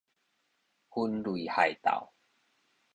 分類械鬥